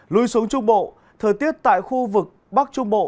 lui xuống trung bộ thời tiết tại khu vực bắc trung bộ